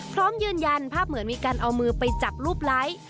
พร้อมยืนยันภาพเหมือนมีการเอามือไปจับรูปไลค์